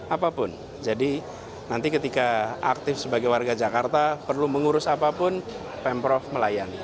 apapun jadi nanti ketika aktif sebagai warga jakarta perlu mengurus apapun pemprov melayani